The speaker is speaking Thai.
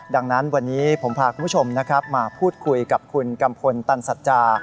ดังนั้นวันนี้ผมพาคุณผู้ชมนะครับมาพูดคุยกับคุณกัมพลตันสัจจา